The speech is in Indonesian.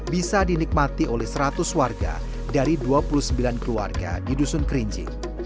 bisa dinikmati oleh seratus warga dari dua puluh sembilan keluarga di dusun kerinci